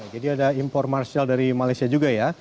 jadi ada impor marsial dari malaysia juga ya